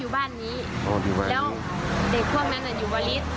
อ๋ออยู่บ้านนี้แล้วเด็กพวกนั้นอยู่วันลิศ